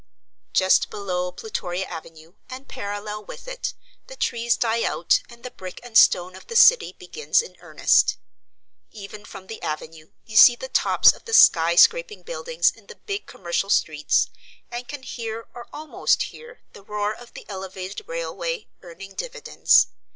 Just below Plutoria Avenue, and parallel with it, the trees die out and the brick and stone of the City begins in earnest. Even from the Avenue you see the tops of the sky scraping buildings in the big commercial streets, and can hear or almost hear the roar of the elevated railway, earning dividends.